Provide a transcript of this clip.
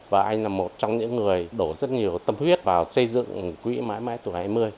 và anh là một trong những người đổ rất nhiều tâm huyết vào xây dựng quỹ mãi mãi tuổi hai mươi